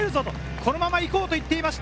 このまま行こうと言っていました。